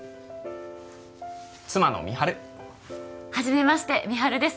妻の美晴初めまして美晴です